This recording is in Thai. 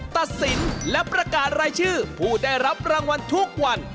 ตัดสินและประกาศรายชื่อผู้ได้รับรางวัลทุกวัน